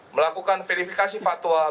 melakukan verifikasi faktual